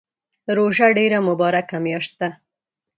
روژه ډیره مبارکه میاشت ده